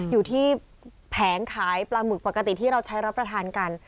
อยู่ที่แผงขายปลาหมึกปกติที่เราใช้รับประทานกัน